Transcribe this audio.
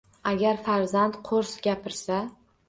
Agar farzand qo'rs gapirsa.